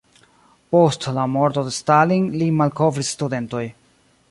Post la morto de Stalin lin malkovris studentoj.